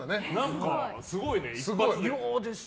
すごいね、一発で。